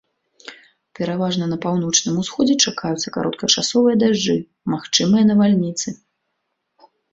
Пераважна на паўночным усходзе чакаюцца кароткачасовыя дажджы, магчымыя навальніцы.